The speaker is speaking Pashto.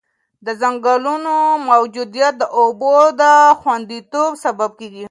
د ځنګلونو موجودیت د اوبو د خونديتوب سبب کېږي.